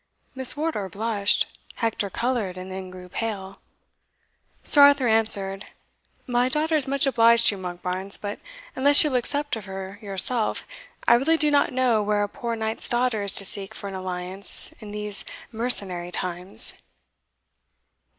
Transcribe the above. Miss Wardour blushed Hector coloured, and then grew pale. Sir Arthur answered, "My daughter is much obliged to you, Monkbarns; but unless you'll accept of her yourself, I really do not know where a poor knight's daughter is to seek for an alliance in these mercenary times."